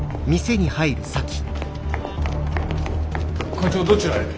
課長どちらへ？